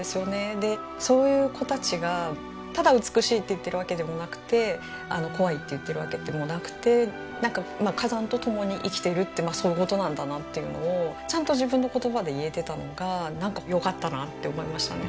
でそういう子たちがただ美しいって言っているわけでもなくて怖いって言ってるわけでもなくて火山と共に生きてるってそういう事なんだなっていうのをちゃんと自分の言葉で言えてたのがなんかよかったなって思いましたね。